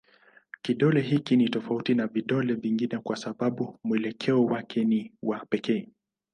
Kidole hiki ni tofauti na vidole vingine kwa sababu mwelekeo wake ni wa pekee.